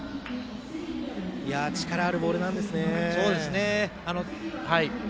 力あるボールなんですね。